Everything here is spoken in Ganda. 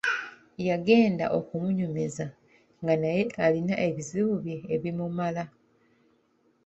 Yagenda okumunyumiza nga naye alina ebizibu bye ebimumala.